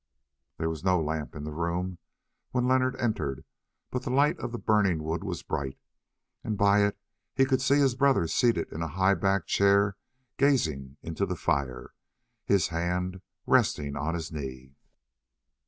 There was no lamp in the room when Leonard entered, but the light of the burning wood was bright, and by it he could see his brother seated in a high backed chair gazing into the fire, his hand resting on his knee.